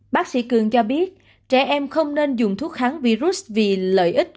bác sĩ cường cho biết trẻ em không nên dùng thuốc kháng virus vì lợi ích